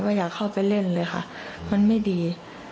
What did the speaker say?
อยากเข้าไปเล่นเลยค่ะมันไม่ดี